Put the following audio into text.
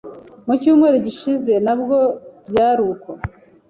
mu cyumweru gishize nabwo byaruko